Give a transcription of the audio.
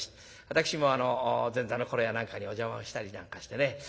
私も前座の頃やなんかにお邪魔をしたりなんかしてね。